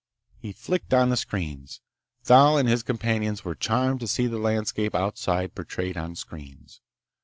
He flicked on the screens. Thal and his companions were charmed to see the landscape outside portrayed on screens.